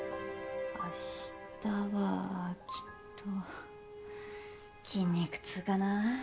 明日はきっと筋肉痛かな。